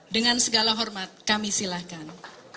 dengan segala hormat kami silakan